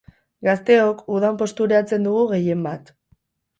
Gazteok udan postureatzen dugu gehien bat.